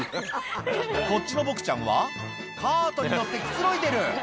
こっちのボクちゃんはカートに乗ってくつろいでる